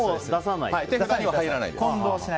手札には入らないです。